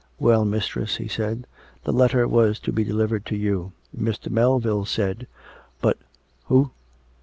" Well, mistress," he said, " the letter was to be delivered to you, Mr. Melville said; but " "Who?"